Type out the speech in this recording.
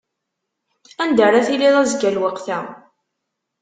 Anda ara tiliḍ azekka lweqt-a?